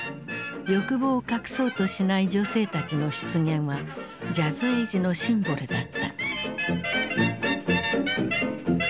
欲望を隠そうとしない女性たちの出現はジャズエイジのシンボルだった。